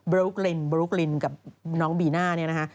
บรูกลินกับน้องบีนะนี่นะฮะ